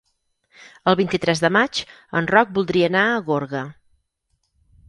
El vint-i-tres de maig en Roc voldria anar a Gorga.